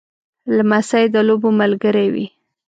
لمسی د لوبو ملګری وي.